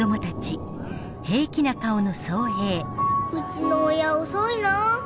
うちの親遅いな。